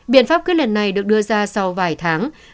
biện pháp quyết lần này được đưa ra sau vài tháng